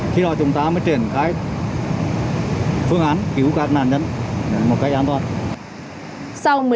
khi đó chúng ta mới triển khai phương án cứu các nạn nhân một cách an toàn